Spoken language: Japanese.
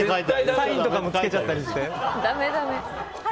サインとかもつけちゃったりして？